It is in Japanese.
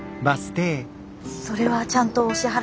それはちゃんとお支払いしますので。